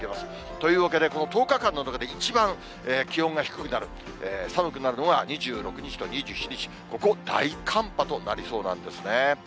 というわけで、この１０日間の中で一番気温が低くなる、寒くなるのは２６日と２７日、ここ大寒波となりそうなんですね。